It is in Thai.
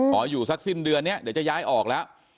อยู่สักสิ้นเดือนนี้เดี๋ยวจะย้ายออกแล้ว